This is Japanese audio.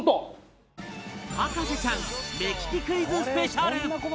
『博士ちゃん』目利きクイズスペシャル